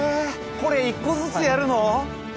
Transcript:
これ１個ずつやるの？